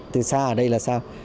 từ xa ở đây là sao